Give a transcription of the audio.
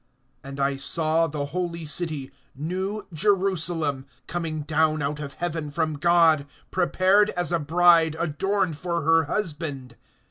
(2)And I saw the holy city, new Jerusalem, coming down out of heaven from God, prepared as a bride adorned for her husband.